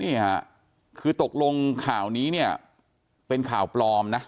นี่ค่ะคือตกลงข่าวนี้เนี่ยเป็นข่าวปลอมนะ